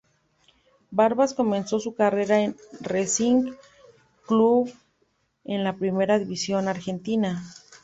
Barbas comenzó su carrera en Racing Club en la Primera división argentina.